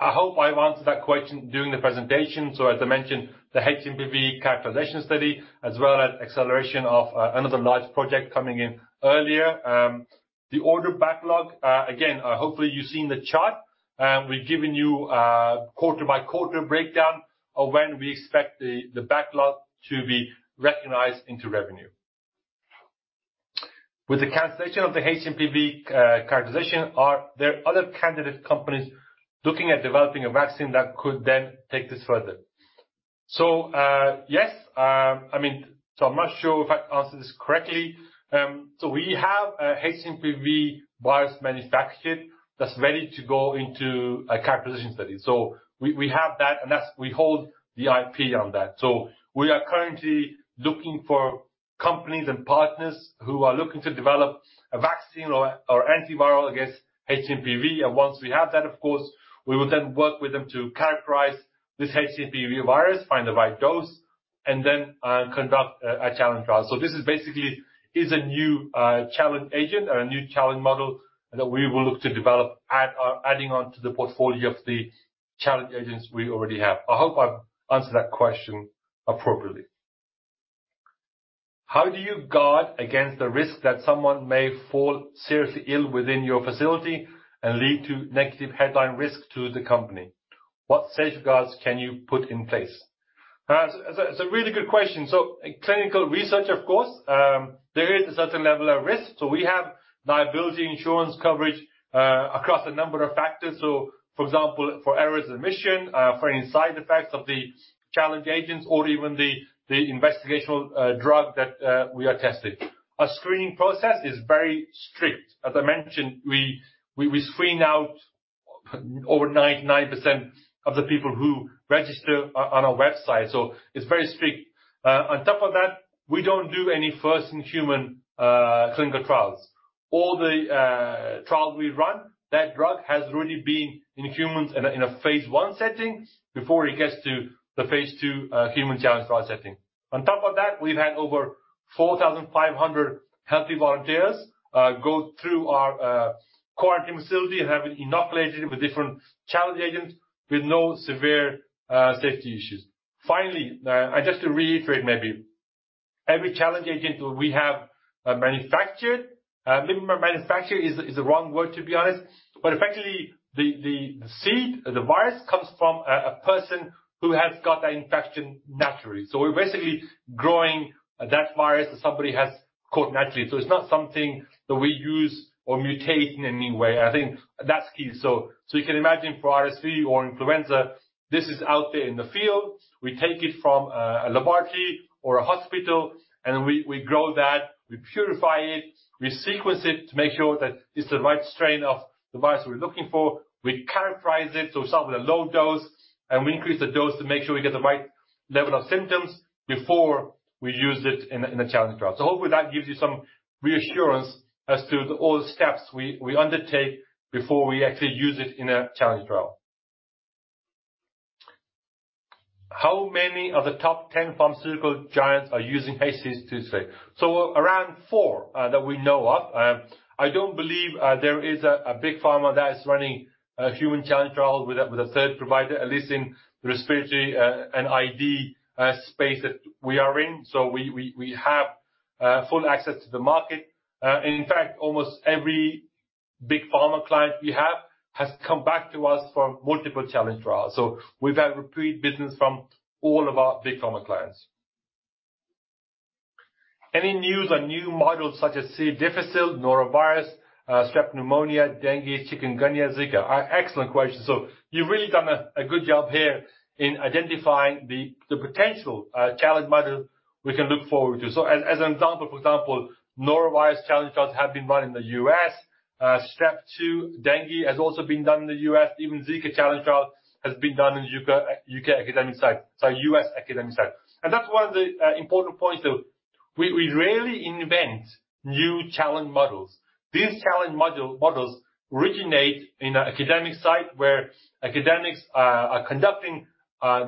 I hope I've answered that question during the presentation. So as I mentioned, the hMPV characterisation study, as well as acceleration of another large project coming in earlier. The order backlog, again, hopefully, you've seen the chart. We've given you a quarter-by-quarter breakdown of when we expect the backlog to be recognized into revenue. With the cancellation of the hMPV characterization, are there other candidate companies looking at developing a vaccine that could then take this further? So yes. I mean, so I'm not sure if I answered this correctly. So we have a hMPV virus manufacturer that's ready to go into a characterization study. So we have that. And we hold the IP on that. So we are currently looking for companies and partners who are looking to develop a vaccine or antiviral against hMPV. And once we have that, of course, we will then work with them to characterize this hMPV virus, find the right dose, and then conduct a challenge trial. So this basically is a new challenge agent and a new challenge model that we will look to develop, adding onto the portfolio of the challenge agents we already have. I hope I've answered that question appropriately. How do you guard against the risk that someone may fall seriously ill within your facility and lead to negative headline risk to the company? What safeguards can you put in place? It's a really good question. Clinical research, of course, there is a certain level of risk. We have liability insurance coverage across a number of factors. For example, for errors in admission, for any side effects of the challenge agents, or even the investigational drug that we are testing. Our screening process is very strict. As I mentioned, we screen out overnight 90% of the people who register on our website. It's very strict. On top of that, we don't do any first-in-human clinical trials. All the trials we run, that drug has already been in humans in a phase 1 setting before it gets to Phase II human challenge trial setting. On top of that, we've had over 4,500 healthy volunteers go through our quarantine facility and have been inoculated with different challenge agents with no severe safety issues. Finally, and just to reiterate maybe, every challenge agent that we have manufactured maybe manufacture is the wrong word, to be honest. But effectively, the seed, the virus, comes from a person who has got that infection naturally. So we're basically growing that virus that somebody has caught naturally. So it's not something that we use or mutate in any way. I think that's key. So you can imagine for RSV or influenza, this is out there in the field. We take it from a laboratory or a hospital. And then we grow that. We purify it. We sequence it to make sure that it's the right strain of the virus we're looking for. We characterize it. So we start with a low dose. We increase the dose to make sure we get the right level of symptoms before we use it in a challenge trial. So hopefully, that gives you some reassurance as to all the steps we undertake before we actually use it in a challenge trial. How many of the top 10 pharmaceutical giants are using HCCs today? So around four that we know of. I don't believe there is a big pharma that is running human challenge trials with a third provider, at least in the respiratory and ID space that we are in. So we have full access to the market. In fact, almost every big pharma client we have has come back to us for multiple challenge trials. So we've had repeat business from all of our big pharma clients. Any news on new models such as C. difficile, norovirus, Strep pneumoniae, dengue, chikungunya, Zika? Excellent question. So you've really done a good job here in identifying the potential challenge model we can look forward to. So as an example, for example, norovirus challenge trials have been run in the US. Strep too, dengue, has also been done in the US. Even Zika challenge trial has been done in the UK academic site, so US academic site. And that's one of the important points. So we rarely invent new challenge models. These challenge models originate in an academic site where academics are conducting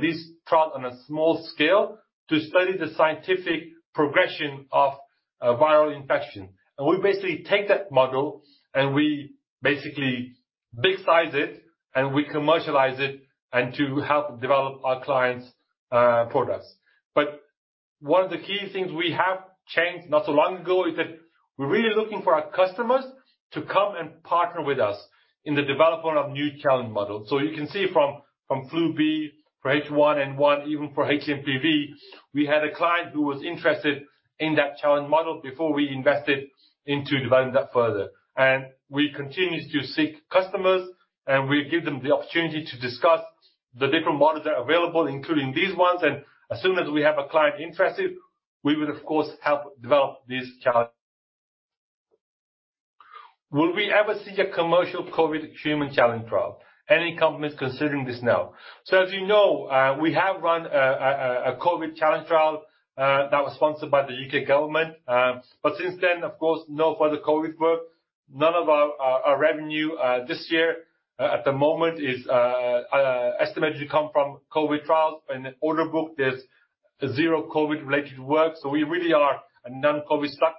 this trial on a small scale to study the scientific progression of viral infection. And we basically take that model. And we basically big-size it. And we commercialize it to help develop our clients' products. But one of the key things we have changed not so long ago is that we're really looking for our customers to come and partner with us in the development of new challenge models. So you can see from Flu B, for H1N1, even for hMPV, we had a client who was interested in that challenge model before we invested into developing that further. And we continue to seek customers. And we give them the opportunity to discuss the different models that are available, including these ones. And as soon as we have a client interested, we would, of course, help develop these challenges. Will we ever see a commercial COVID human challenge trial? Any companies considering this now? So as you know, we have run a COVID challenge trial that was sponsored by the UK government. But since then, of course, no further COVID work. None of our revenue this year at the moment is estimated to come from COVID trials. In the order book, there's zero COVID-related work. So we really are non-COVID stock.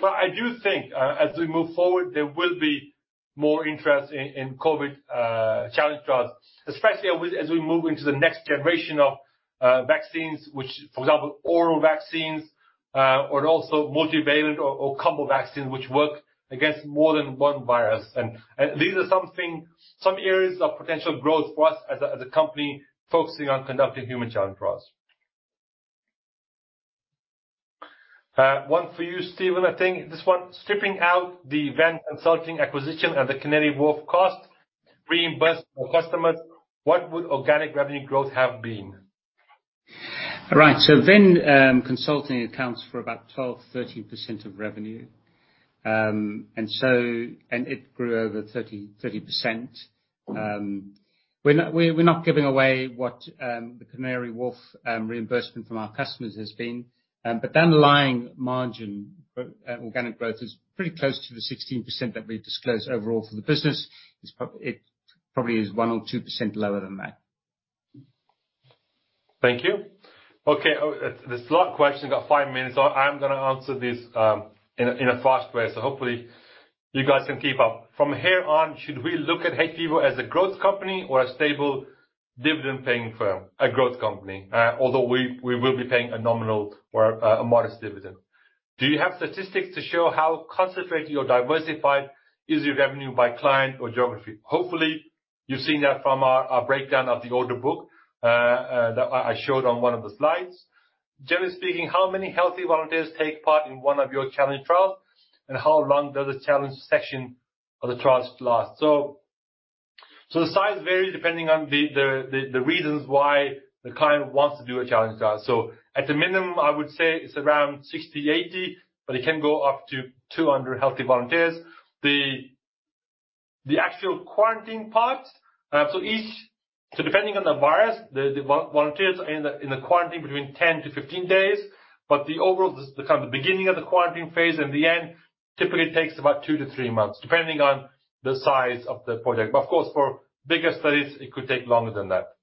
But I do think as we move forward, there will be more interest in COVID challenge trials, especially as we move into the next generation of vaccines, which, for example, oral vaccines, or also multivariant or combo vaccines, which work against more than one virus. And these are some areas of potential growth for us as a company focusing on conducting human challenge trials. One for you, Stephen, I think. This one, stripping out the Venn Consulting acquisition at the Canary Wharf cost, reimbursing our customers, what would organic revenue growth have been? Right. So Venn Consulting accounts for about 12%, 13% of revenue. And it grew over 30%. We're not giving away what the Canary Wharf reimbursement from our customers has been. But that underlying margin organic growth is pretty close to the 16% that we've disclosed overall for the business. It probably is 1% or 2% lower than that. Thank you. OK. There's a lot of questions. I've got five minutes. I'm going to answer these in a fast way. So hopefully, you guys can keep up. From here on, should we look at hVIVO as a growth company or a stable dividend-paying firm, a growth company, although we will be paying a nominal or a modest dividend? Do you have statistics to show how concentrated or diversified is your revenue by client or geography? Hopefully, you've seen that from our breakdown of the order book that I showed on one of the slides. Generally speaking, how many healthy volunteers take part in one of your challenge trials? And how long does the challenge section of the trials last? The size varies depending on the reasons why the client wants to do a challenge trial. At the minimum, I would say it's around 60-80. But it can go up to 200 healthy volunteers. The actual quarantine part, so depending on the virus, the volunteers are in the quarantine between 10-15 days. But the overall, the beginning of the quarantine phase and the end typically takes about 2-3 months, depending on the size of the project. But of course, for bigger studies, it could take longer than that.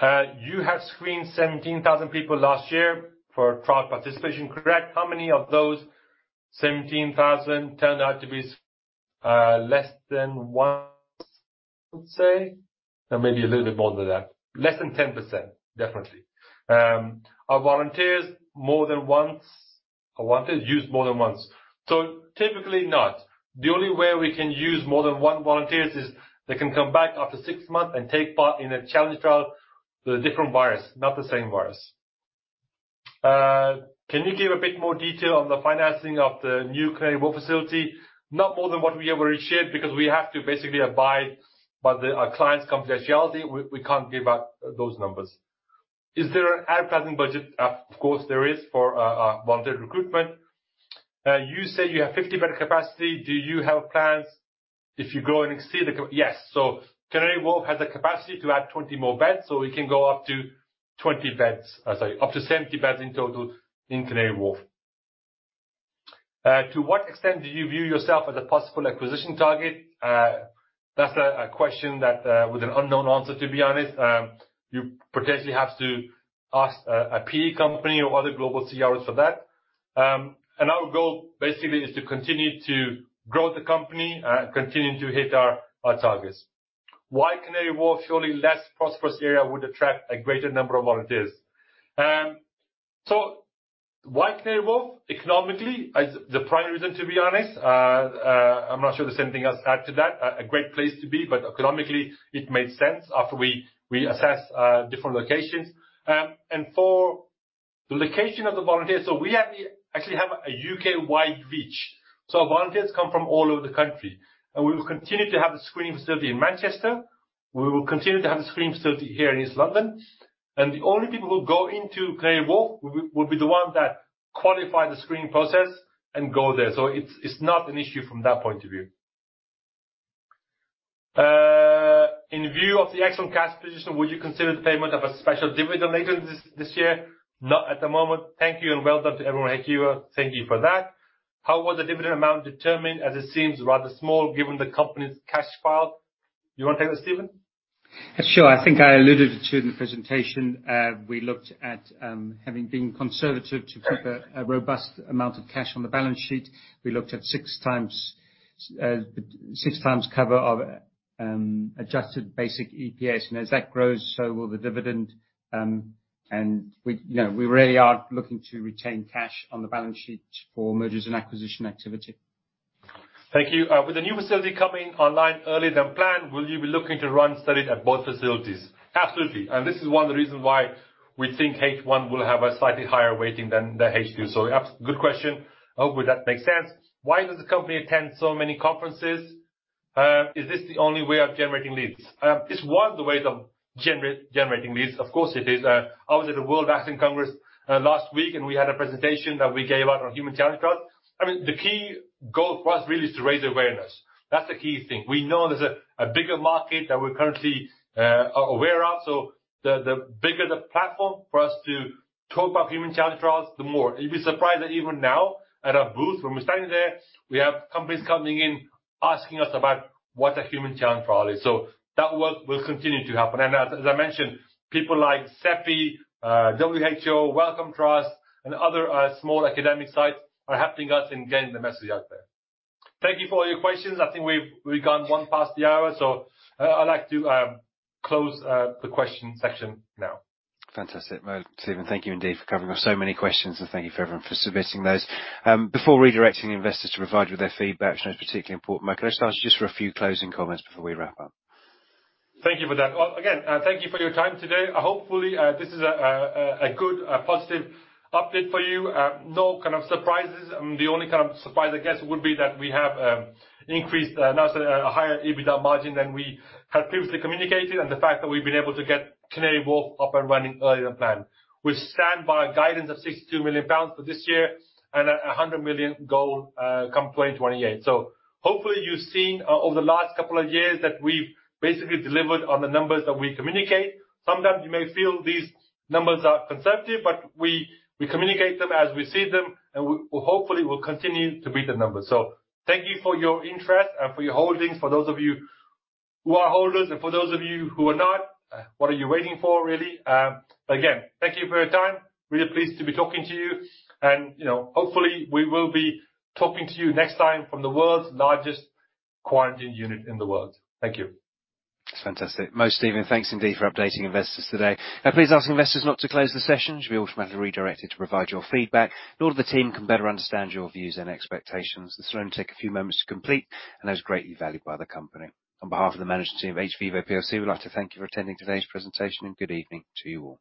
You have screened 17,000 people last year for trial participation, correct? How many of those 17,000 turned out to be less than 1%, I would say? Or maybe a little bit more than that. Less than 10%, definitely. Are volunteers used more than once? So typically, not. The only way we can use more than one volunteer is they can come back after 6 months and take part in a challenge trial with a different virus, not the same virus. Can you give a bit more detail on the financing of the new Canary Wharf facility? Not more than what we have already shared because we have to basically abide by our client's confidentiality. We can't give out those numbers. Is there an advertising budget? Of course, there is for volunteer recruitment. You say you have 50-bed capacity. Do you have plans if you grow and exceed the capacity? Yes. So Canary Wharf has a capacity to add 20 more beds. So we can go up to 20 beds, sorry, up to 70 beds in total in Canary Wharf. To what extent do you view yourself as a possible acquisition target? That's a question with an unknown answer, to be honest. You potentially have to ask a PE company or other global CROs for that. And our goal basically is to continue to grow the company, continue to hit our targets. Why Canary Wharf, surely less prosperous area, would attract a greater number of volunteers? So why Canary Wharf? Economically, the primary reason, to be honest. I'm not sure there's anything else to add to that. A great place to be. But economically, it made sense after we assessed different locations. And for the location of the volunteers, so we actually have a UK-wide reach. So volunteers come from all over the country. We will continue to have the screening facility in Manchester. We will continue to have the screening facility here in East London. And the only people who go into Canary Wharf will be the ones that qualify the screening process and go there. So it's not an issue from that point of view. In view of the excellent cash position, would you consider the payment of a special dividend later this year? Not at the moment. Thank you. And well done to everyone at hVIVO. Thank you for that. How was the dividend amount determined? As it seems rather small, given the company's cash pile. You want to take that, Stephen? Sure. I think I alluded to it in the presentation. We looked at having been conservative to keep a robust amount of cash on the balance sheet. We looked at six times cover of adjusted basic EPS. As that grows, so will the dividend. We really are looking to retain cash on the balance sheet for mergers and acquisition activity. Thank you. With the new facility coming online earlier than planned, will you be looking to run studies at both facilities? Absolutely. This is one of the reasons why we think H1 will have a slightly higher weighting than the H2. So good question. Hopefully, that makes sense. Why does the company attend so many conferences? Is this the only way of generating leads? It's one of the ways of generating leads. Of course, it is. I was at the World Vaccine Congress last week. We had a presentation that we gave out on human challenge trials. I mean, the key goal for us really is to raise awareness. That's the key thing. We know there's a bigger market that we're currently aware of. So the bigger the platform for us to talk about human challenge trials, the more. You'd be surprised that even now, at our booth, when we're standing there, we have companies coming in asking us about what a human challenge trial is. So that work will continue to happen. And as I mentioned, people like CEPI, WHO, Wellcome Trust, and other small academic sites are helping us in getting the message out there. Thank you for all your questions. I think we've gone one past the hour. So I'd like to close the question section now. Fantastic. Well, Stephen, thank you indeed for covering off so many questions. And thank you for everyone for submitting those. Before redirecting investors to provide you with their feedback, which I know is particularly important, Mo, let's start just with a few closing comments before we wrap up. Thank you for that. Again, thank you for your time today. Hopefully, this is a good, positive update for you. No kind of surprises. The only kind of surprise, I guess, would be that we have increased, now it's a higher EBITDA margin than we had previously communicated, and the fact that we've been able to get Canary Wharf up and running earlier than planned. We stand by guidance of 62 million pounds for this year and a 100 million goal come 2028. So hopefully, you've seen over the last couple of years that we've basically delivered on the numbers that we communicate. Sometimes you may feel these numbers are conservative. But we communicate them as we see them. Hopefully, we'll continue to beat the numbers. So thank you for your interest and for your holdings. For those of you who are holders and for those of you who are not, what are you waiting for, really? But again, thank you for your time. Really pleased to be talking to you. And hopefully, we will be talking to you next time from the world's largest quarantine unit in the world. Thank you. It's fantastic. Mo, Stephen, thanks indeed for updating investors today. Now, please ask investors not to close the session. You'll be automatically redirected to provide your feedback. In order that the team can better understand your views and expectations, this will only take a few moments to complete. And that was greatly valued by the company. On behalf of the management team of hVIVO plc, we'd like to thank you for attending today's presentation. Good evening to you all.